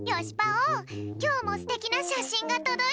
きょうもすてきなしゃしんがとどいたぴょん！